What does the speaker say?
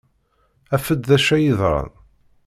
Af-d d acu ay yeḍran.